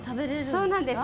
そうなんです